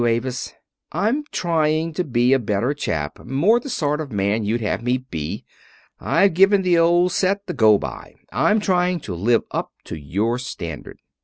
Avis, I'm trying to be a better chap more the sort of man you'd have me be. I've given the old set the go by I'm trying to live up to your standard.